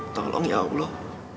tolong ya allah